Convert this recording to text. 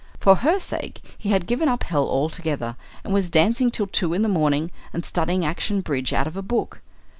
For her sake he had given up hell altogether, and was dancing till two in the morning and studying action bridge out of a book.